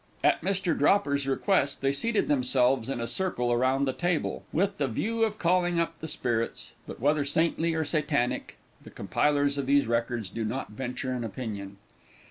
At Mr. Dropper's request, they seated themselves in a circle around the table, with the view of calling up the spirits, but whether saintly or satanic, the compilers of these records do not venture an opinion.